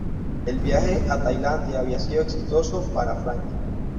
El viaje a Tailandia había sido exitoso para Frank.